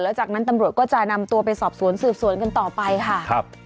แล้วจากนั้นตำรวจก็จะนำตัวไปสอบสวนสืบสวนกันต่อไปค่ะครับ